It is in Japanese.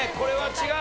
違う。